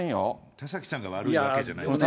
田崎さんが悪いわけじゃないんですけどね。